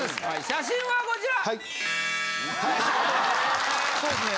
写真はこちら！